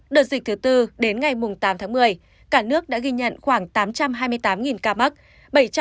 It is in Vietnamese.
đợt dịch thứ tư đến ngày tám tháng một mươi cả nước đã ghi nhận khoảng tám trăm hai mươi tám ca mắc